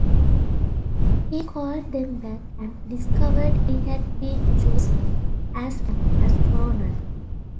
He called them back, and discovered he had been chosen as an astronaut.